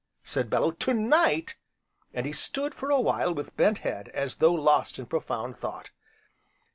said Bellew, "to night!" and he stood, for a while with bent head, as though lost in profound thought.